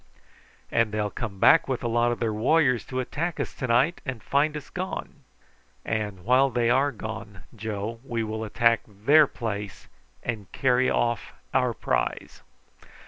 "And they'll come back with a lot of their warriors to attack us to night and find us gone!" "And while they are gone, Joe, we will attack their place and carry off our prize!"